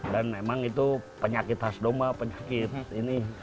dan memang itu penyakit khas domba penyakit ini